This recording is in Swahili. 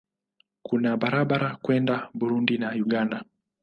Kuna barabara kwenda Burundi na Uganda.